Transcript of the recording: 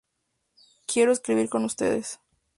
Quiero escribir con ustedes".